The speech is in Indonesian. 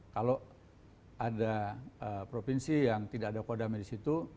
kalau ada provinsi yang tidak ada kodam di situ